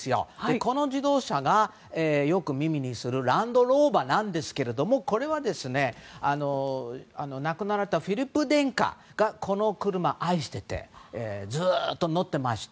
この自動車がよく耳にするランドローバーなんですけどこれは、亡くなられたフィリップ殿下が、この車を愛していてずっと乗ってまして。